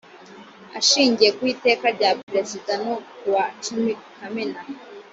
ashingiye ku iteka rya perezida no ryo kuwa cumi kamena